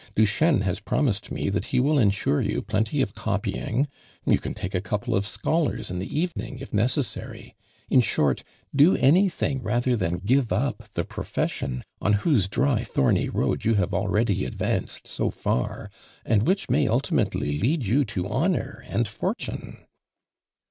Duchesne has promised me that he will ensiu e you plenty of copy ing — you can take a couple of scholars in the evening, it necessary, in short, do any thing rathei' than give up the profession on whose dry thorny road you have already advanced so far, anil which may ultimately lead you to honor and fortune.'"